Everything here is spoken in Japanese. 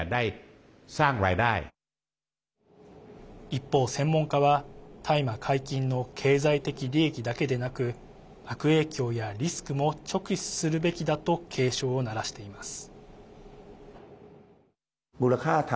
一方、専門家は大麻解禁の経済的利益だけでなく悪影響やリスクも直視するべきだと警鐘を鳴らしています。